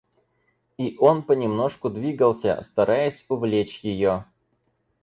И он понемножку двигался, стараясь увлечь ее.